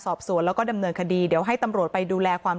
สอบสวนแล้วก็ดำเนินคดีเดี๋ยวให้ตำรวจไปดูแลความ